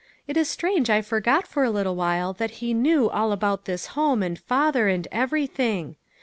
It is strange I forgot for a little while that He knew all about this home, and father, and everything